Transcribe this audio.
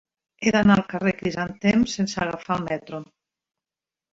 He d'anar al carrer del Crisantem sense agafar el metro.